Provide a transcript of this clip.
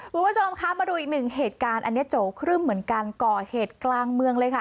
คุณผู้ชมคะมาดูอีกหนึ่งเหตุการณ์อันนี้โจครึ่มเหมือนกันก่อเหตุกลางเมืองเลยค่ะ